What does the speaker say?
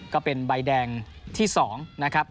ก็เป็นใบแดงที่๒นะครับ